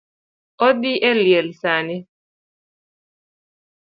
Odhi e liel sani